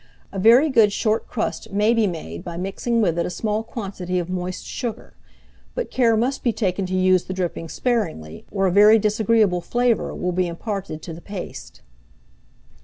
A very good short crust may be made by mixing with it a small quantity of moist sugar; but care must be taken to use the dripping sparingly, or a very disagreeable flavour will be imparted to the paste.